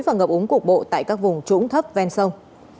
và ngập úng cục bộ tại các vùng trũng thấp ven sông